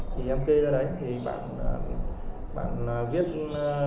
thì em bảo đấy ừ thế thì được thế thì đặt cho anh bình như cái này bình như cái kia